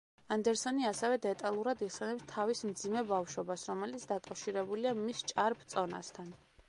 ანდერსონი ასევე დეტალურად იხსენებს თავის მძიმე ბავშვობას, რომელიც დაკავშირებულია მის ჭარბ წონასთან.